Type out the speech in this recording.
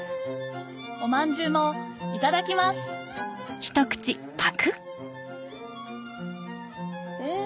おまんじゅうもいただきますうん！